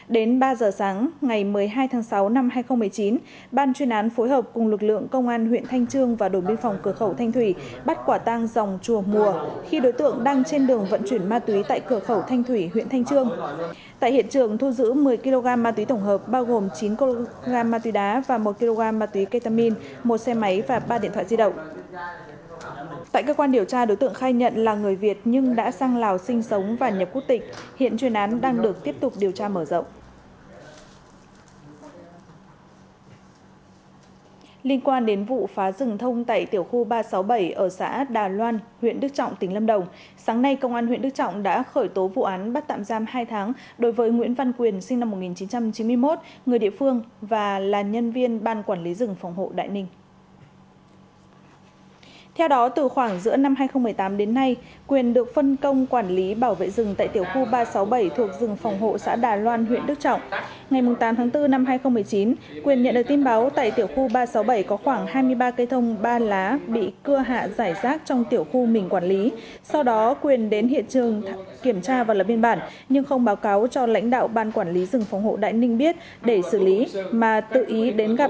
đến ba giờ sáng ngày một mươi hai tháng sáu năm hai nghìn một mươi chín ban chuyên án phối hợp cùng lực lượng công an huyện thanh trương và đồn biên phòng cửa khẩu thanh thủy bắt quả tang dòng chùa mùa khi đối tượng đang trên đường vận chuyển ma túy tại cửa khẩu thanh thủy huyện thanh trương